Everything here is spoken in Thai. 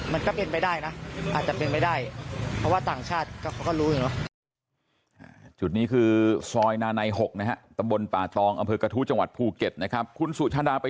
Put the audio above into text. มันอาจจะเป็นไปได้ไหมตอนเรียกออกเขาอาจจะเลี่ยงตรงเนี้ยตามราคาปกติแหละ๒๐๐